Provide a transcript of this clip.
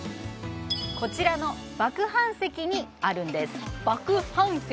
こちらの麦飯石にあるんです麦飯石？